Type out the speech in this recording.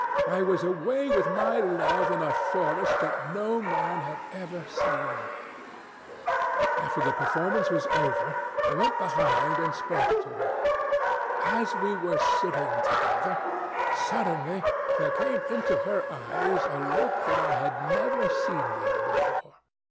I was away with my love in a forest that no man had ever seen. After the performance was over, I went behind and spoke to her. As we were sitting together, suddenly there came into her eyes a look that I had never seen there before.